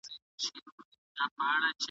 ښوروله یې لکۍ کاږه ښکرونه .